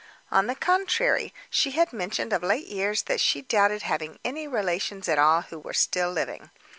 On the contrary she had mentioned of late years that she doubted having any relations at all who were still living.